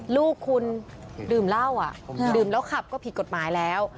ลูกคุณดื่มเหล้าดื่มแล้วขับก็ผิดกฎหมายแล้ว